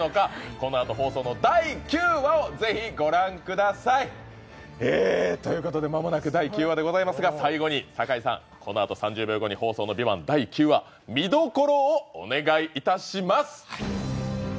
このあと放送の第９話を是非ご覧ください！ということで間もなく第９話でございますが堺さん、このあと放送の「ＶＩＶＡＮＴ」第９話、見どころをお願いいたします。